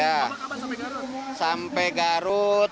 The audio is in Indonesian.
apa kabar sampai garut